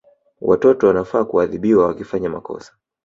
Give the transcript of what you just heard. Watoto wanafaa kuadhibiwa wakifanya makosa